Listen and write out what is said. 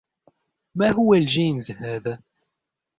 ما هو الجينز هذا